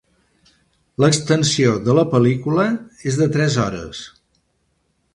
L'extensió de la pel·lícula és de tres hores.